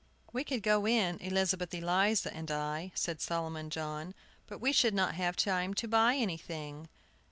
"We could go in, Elizabeth Eliza and I," said Solomon John, "but we should not have time to buy anything."